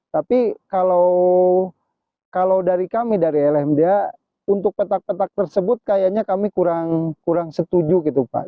tapi kalau dari kami dari lmda untuk petak petak tersebut kayaknya kami kurang setuju gitu pak